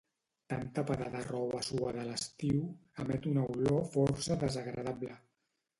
Tan tapada de roba suada a l'estiu emet una olor força desagradable